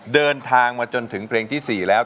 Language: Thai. เดินทางมาจนถึงเพลงที่๔แล้ว